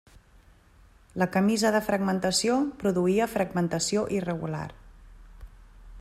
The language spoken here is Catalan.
La camisa de fragmentació produïa fragmentació irregular.